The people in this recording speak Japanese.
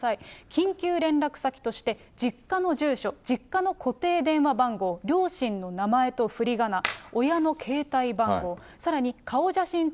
緊急連絡先として、実家の住所、実家の固定電話番号、両親の名前とふりがな、親の携帯番号、自分のね。